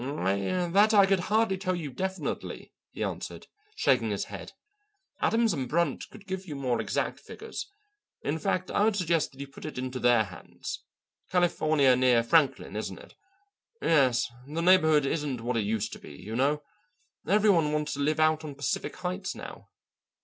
"That I could hardly tell you definitely," he answered, shaking his head. "Adams & Brunt could give you more exact figures. In fact, I would suggest that you put it into their hands. California near Franklin, isn't it? Yes; the neighbourhood isn't what it used to be, you know. Every one wants to live out on Pacific Heights now.